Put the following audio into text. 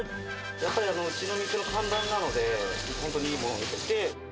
やっぱりうちの店の看板なので、本当にいいものを仕入れて。